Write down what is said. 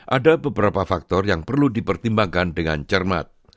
ada beberapa faktor yang perlu dipertimbangkan dengan cermat